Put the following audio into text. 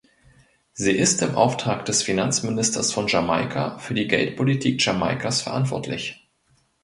Sie ist im Auftrag des Finanzministers von Jamaika für die Geldpolitik Jamaikas verantwortlich.